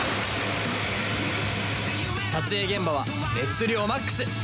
撮影現場は熱量マックス！